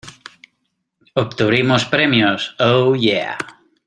¡ Obtuvimos premios! ¡ oh, yeah !